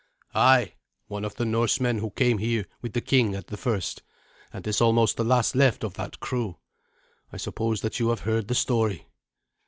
"Ay, one of the Norsemen who came here with the king at the first, and is almost the last left of that crew. I suppose that you have heard the story."